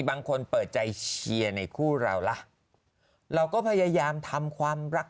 บางคนเปิดใจเชียร์ในคู่เราล่ะเราก็พยายามทำความรัก